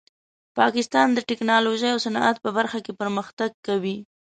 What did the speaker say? پاکستان د ټیکنالوژۍ او صنعت په برخه کې پرمختګ کوي.